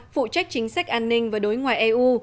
phụ trách chính sách an ninh và đối ngoại eu